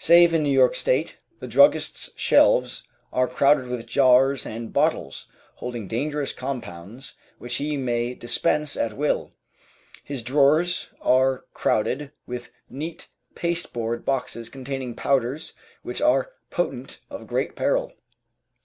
Save in New York State, the druggist's shelves are crowded with jars and bottles holding dangerous compounds which he may dispense at will, his drawers are crowded with neat pasteboard boxes containing powders which are potent of great peril.